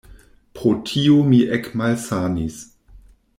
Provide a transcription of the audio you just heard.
Pro tio mi ekmalsanis.